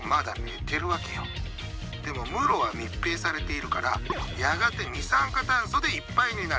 でも室は密閉されているからやがて二酸化炭素でいっぱいになる。